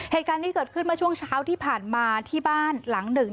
เหตุการณ์นี้เกิดขึ้นเมื่อช่วงเช้าที่ผ่านมาที่บ้านหลังหนึ่ง